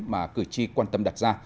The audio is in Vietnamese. mà cử tri quan tâm đặt ra